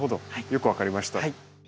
よく分かりました。